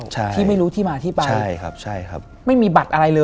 ใช่ครับ